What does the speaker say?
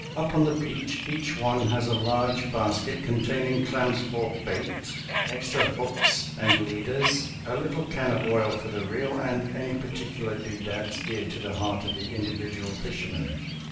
Up on the beach each one has a large basket containing clams for bait, extra hooks and leaders, a little can of oil for the reel, and any particular doo dads dear to the heart of the individual fisherman.